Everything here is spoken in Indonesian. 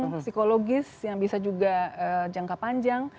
psikologis yang bisa juga jangka panjang